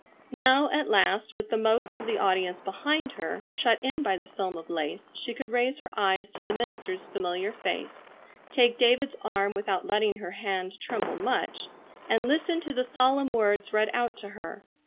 Now, at last, with the most of the audience behind her, shut in by the film of lace, she could raise her eyes to the minister's familiar face, take David's arm without letting her hand tremble much, and listen to the solemn words read out to her.